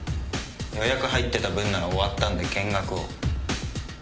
予約入ってた分なら終わったんで見学を。